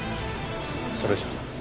それじゃあ。